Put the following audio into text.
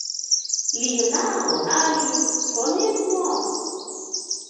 — Лийына, она лий, шонет мо!